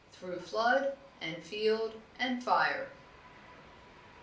THROUGH FLOOD AND FIELD AND FIRE.